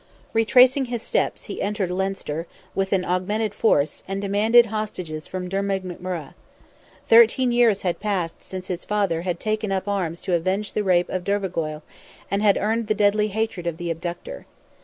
Retracing his steps he entered Leinster, with an augmented force, and demanded hostages from Dermid McMurrogh. Thirteen years had passed since his father had taken up arms to avenge the rape of Dervorgoil, and had earned the deadly hatred of the abductor.